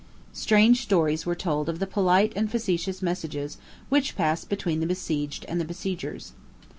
Strange stories were told of the polite and facetious messages which passed between the besieged and the besiegers.